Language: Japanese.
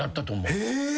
え！